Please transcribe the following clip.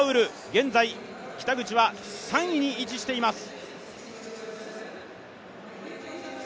現在北口は３位に位置しています。